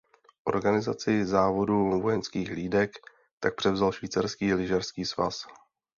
Organizaci závodu vojenských hlídek tak převzal Švýcarský lyžařský svaz.